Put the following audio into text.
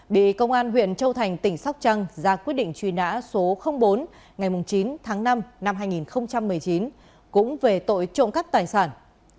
bị công an huyện châu thành tỉnh sóc trăng ra quyết định truy nã số bốn ngày chín tháng năm năm hai nghìn một mươi sáu